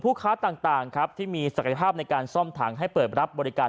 ค้าต่างครับที่มีศักยภาพในการซ่อมถังให้เปิดรับบริการ